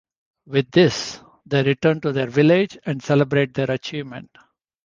With this, they return to their village and celebrate their achievement.